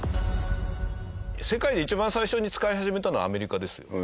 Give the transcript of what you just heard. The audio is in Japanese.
世界で一番最初に使い始めたのはアメリカです。